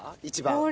一番。